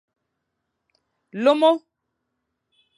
Lomo.